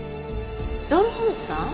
土門さん？